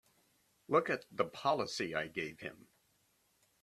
Look at the policy I gave him!